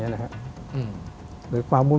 หรือมาวุ่น